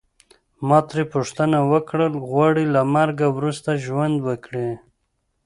ما ترې پوښتنه وکړل غواړې له مرګه وروسته ژوند وکړې.